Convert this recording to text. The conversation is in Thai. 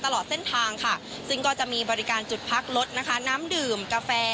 ตลอดเส้นทางค่ะซึ่งก็จะมีบริการจุดพักรถนะคะน้ำดื่มกาแฟ